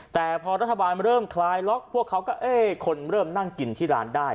แต่พอรัฐบาลเริ่มคลายล็อกพวกเขาก็เอ๊ะคนเริ่มนั่งกินที่ร้านได้